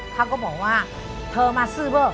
เขาก็บอกว่าเธอมาซื้อเบอร์